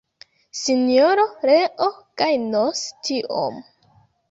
Sinjoro Leo gajnos tiom.